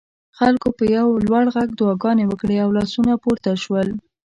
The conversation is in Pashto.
خلکو په یو لوړ غږ دعاګانې وکړې او لاسونه پورته شول.